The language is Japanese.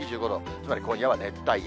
つまり今夜は熱帯夜。